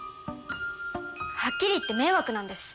はっきり言って迷惑なんです！